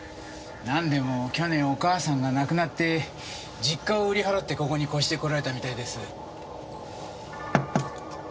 何でも去年お母さんが亡くなって実家を売り払ってここに越してこられたみたいです。